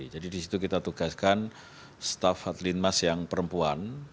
jadi di situ kita tugaskan staff adlin mas yang perempuan